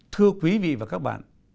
thưa quý vị và các bạn